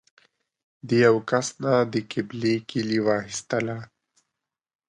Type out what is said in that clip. د یوه کس نه د کعبې کیلي واخیستله.